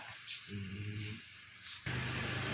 มันบอกโทรศัพท์ไม่มีเงินลุงมีโทร